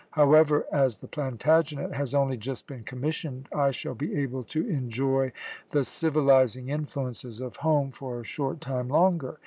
"However, as the Plantagenet has only just been commissioned, I shall be able to enjoy the civilising influences of home for a short time longer.